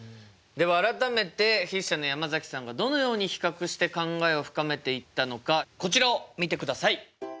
では改めて筆者の山崎さんがどのように比較して考えを深めていったのかこちらを見てください！